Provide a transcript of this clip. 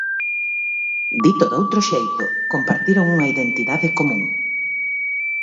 Dito doutro xeito, compartiron unha identidade común.